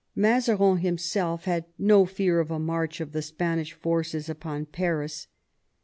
Mazarin himself had no fear of a march of the Spanish forces upon Paris.